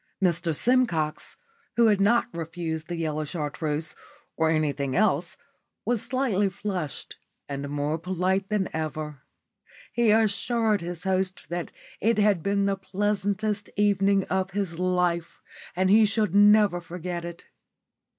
Mr Simcox, who had not refused the yellow Chartreuse or anything else, was slightly flushed and more polite than ever. He assured his host that it had been the pleasantest evening of his life and he should never forget it.